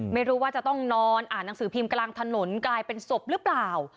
ไม่รู้ว่าจะต้องนอนอ่านหนังสือพิมพ์กลางถนนกลายเป็นศพหรือเปล่า